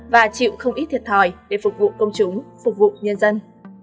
và chịu không ít thiệt thòi để phục vụ công chúng phục vụ nhân dân